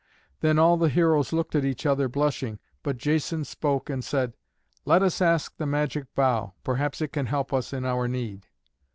Then all the heroes looked at each other blushing, but Jason spoke and said, "Let us ask the magic bough; perhaps it can help us in our need."